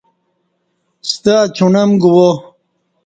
ستہ اچوݨم گوا۔